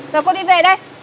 rồi cô đi về đây